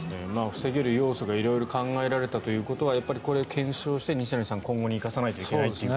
防げる要素が色々考えられたということはやっぱりこれは検証して今後に生かさないといけないですね。